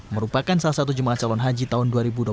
merupakan salah satu jemaah calon haji tahun dua ribu dua puluh